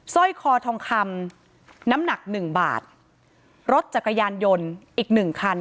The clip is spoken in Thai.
สร้อยคอทองคำน้ำหนัก๑บาทรถจักรยานยนต์อีก๑คัน